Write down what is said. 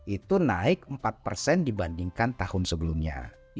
itu naik empat persen dibandingkan tahun sebelumnya